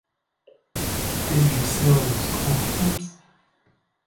Debut sales of Oops!...